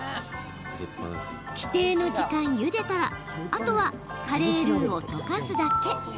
規定の時間ゆでたらあとはカレールーを溶かすだけ。